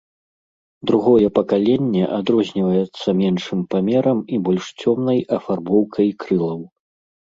Другое пакаленне адрозніваецца меншым памерам і больш цёмнай афарбоўкай крылаў.